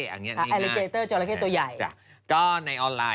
อัลลิเกเตอร์โจละเข้ตัวใหญ่